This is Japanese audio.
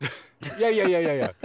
いやいやいやいや。